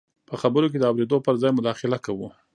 په خبرو کې د اورېدو پر ځای مداخله کوو.